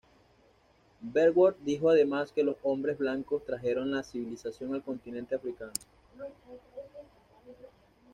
Verwoerd dijo además que los hombres blancos trajeron la civilización al continente africano.